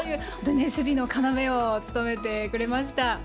守備の要を務めてくれました。